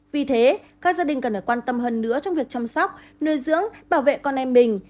vì thế các gia đình cần phải quan tâm hơn nữa trong việc chăm sóc nuôi dưỡng bảo vệ con em mình